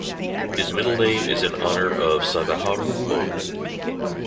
His middle name is in honor of Sadaharu Oh.